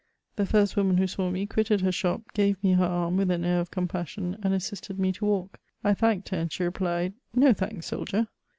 The first woman who saw me, quitted her shop, gave me her arm with an air of compassion, and assisted me to walk; I thanked her, and she replied, " No thanks, soldier."